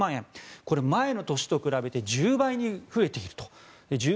これは前の年と比べて１０倍に増えていると。